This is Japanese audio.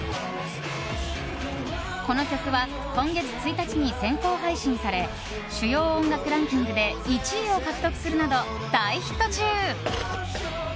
この曲は今月１日に先行配信され主要音楽ランキングで１位を獲得するなど大ヒット中。